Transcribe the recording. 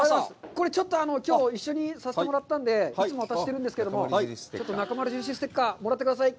これちょっときょう一緒にさせてもらったので、いつも渡しているんですけれども、ちょっとなかまる印ステッカー、もらってください。